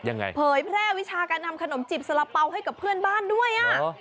เผยแพร่วิชาการทำขนมจิบสละเป๋าให้กับเพื่อนบ้านด้วยอ่ะ